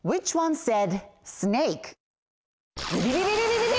ズビビビビビビビ！